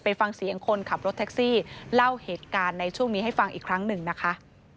ฟังเสียงคนขับรถแท็กซี่เล่าเหตุการณ์ในช่วงนี้ให้ฟังอีกครั้งหนึ่งนะคะ